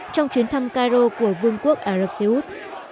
trong chuyến thăm cairo của vương quốc ả rập xê út